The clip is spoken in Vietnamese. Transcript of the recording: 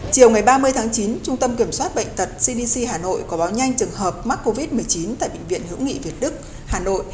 chiều ngày ba mươi tháng chín trung tâm kiểm soát bệnh tật cdc hà nội có báo nhanh trường hợp mắc covid một mươi chín tại bệnh viện hữu nghị việt đức hà nội